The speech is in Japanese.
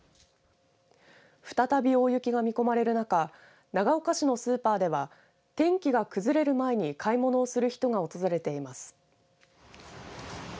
再び大雪が見込まれる中長岡市のスーパーでは天気が崩れる前に買い物をする人が訪れています。